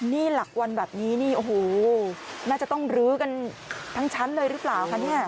นี่หลักวันแบบนี้นี่โอ้โหน่าจะต้องลื้อกันทั้งชั้นเลยหรือเปล่าคะเนี่ย